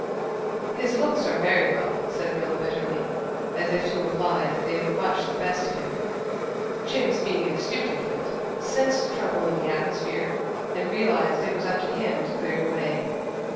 "His looks are very well," said Rilla, bitterly, as if to imply that they were much the best of him. Jims, being an astute infant, sensed trouble in the atmosphere and realized that it was up to him to clear it away.